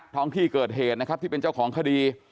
ท้องที่เกิดเหตุนะครับที่เป็นเจ้าของคดี